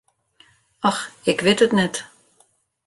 Och, ik wit it net.